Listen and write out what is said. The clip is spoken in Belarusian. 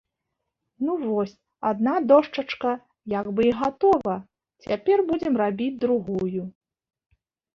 Ну, вось адна дошчачка як бы і гатова, цяпер будзем рабіць другую.